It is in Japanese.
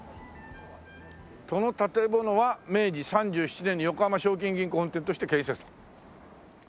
「この建物は明治３７年に横浜正金銀行本店として建設」